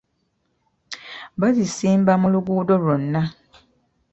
Baazisimba mu luguudo lwonna!